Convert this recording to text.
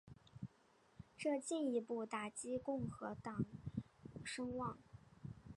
这进一步打击共和党声望。